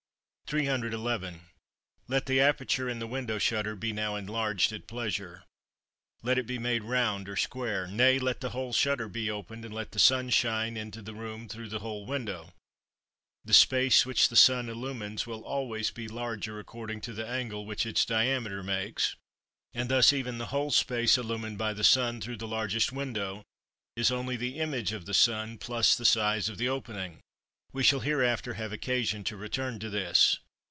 311. Let the aperture in the window shutter be now enlarged at pleasure, let it be made round or square, nay, let the whole shutter be opened, and let the sun shine into the room through the whole window; the space which the sun illumines will always be larger according to the angle which its diameter makes; and thus even the whole space illumined by the sun through the largest window is only the image of the sun plus the size of the opening. We shall hereafter have occasion to return to this.